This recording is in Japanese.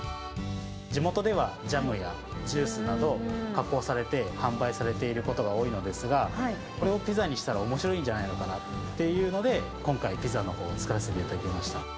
地元では、ジャムやジュースなど、加工されて販売されていることが多いのですが、これをピザにしたらおもしろいんじゃないのかなっていうので、今回、ピザのほう、作らせていただきました。